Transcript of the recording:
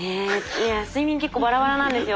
いや睡眠結構バラバラなんですよ。